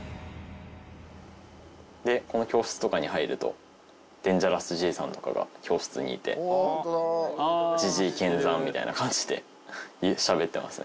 でこの教室とかに入るとでんぢゃらすじーさんとかが教室にいて「じじい見参！」みたいな感じでしゃべってますね。